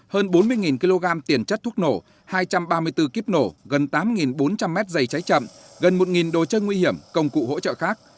hơn bốn mươi kg tiền chất thuốc nổ hai trăm ba mươi bốn kiếp nổ gần tám bốn trăm linh mét dày cháy chậm gần một đồ chơi nguy hiểm công cụ hỗ trợ khác